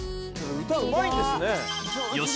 歌うまいんですね。